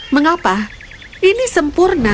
mengapa ini sempurna